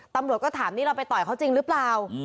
ตำรวจก็ถามนี่เราไปต่อยเขาจริงหรือเปล่า